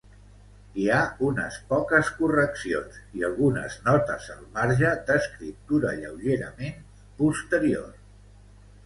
Hi ha unes poques correccions i algunes notes al marge, d’escriptura lleugerament posterior.